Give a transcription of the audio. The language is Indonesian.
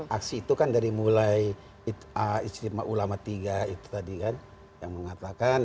aksi itu kan dari mulai istimewa ulama tiga itu tadi kan yang mengatakan